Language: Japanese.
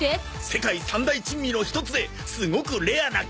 世界三大珍味の一つですごくレアなキノコだ